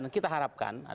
dan kita harapkan